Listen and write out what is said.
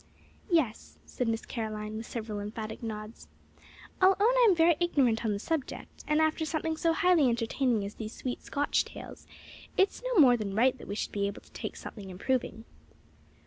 "Yes," said Miss Caroline, with several emphatic nods. "I'll own I am very ignorant on the subject; and after something so highly entertaining as these sweet Scotch tales, it's no more than right that we should take something improving."